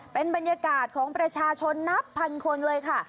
เป็นบรรยากาศของประชาชนนับพันคนเลยค่ะ